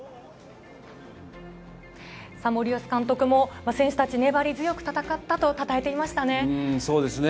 森保監督も、選手たち、粘り強く戦ったと、たたえていましたね。